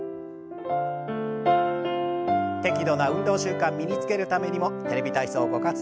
適度な運動習慣身につけるためにも「テレビ体操」ご活用ください。